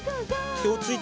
てをついて。